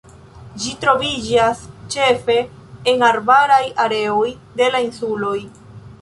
Ĝi troviĝas ĉefe en arbaraj areoj de la insuloj.